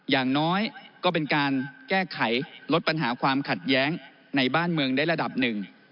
อย่างน้อยก็เป็นการแก้ไขลดปัญหาความขัดแย้งในบ้านเมืองได้ระดับหนึ่ง